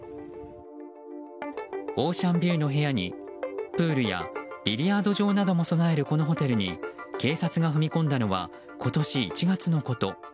オーシャンビューの部屋にプールやビリヤード場も備えるこのホテルに警察が踏み込んだのは今年１月のこと。